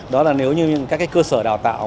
đó là nếu như các cơ sở đào tạo